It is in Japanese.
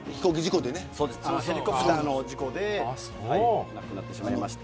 ヘリコプターの事故で亡くなってしまいました。